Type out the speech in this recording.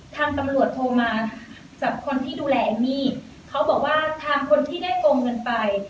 ทางตำรวจโทรมาจากคนที่ดูแลเอมมี่เขาบอกว่าทางคนที่ได้โกงเงินไป